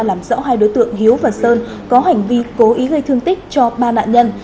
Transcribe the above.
làm rõ hai đối tượng hiếu và sơn có hành vi cố ý gây thương tích cho ba nạn nhân